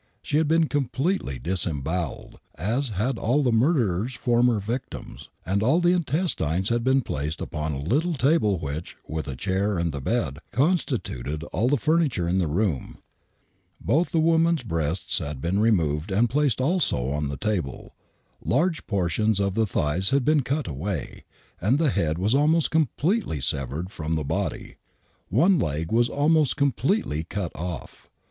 She had been completely disembowelled, at had all the mur derer's former victims, and all the intestines had been placed upon a little table which, with a chair and the bed, constituted all the furniture in the room. Both the woman's breasts had been removed and placed also on the table. Large portions of the thighs had been cut away, and the head was almost completely severed from the body. One leg was almcdc completely cut off.